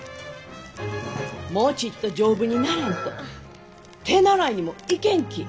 もうちっと丈夫にならんと手習いにも行けんき！